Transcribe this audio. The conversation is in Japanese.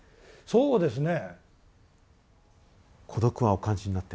そうですね。